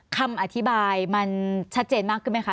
คำอธิบายมันชัดเจนมากขึ้นไหมคะ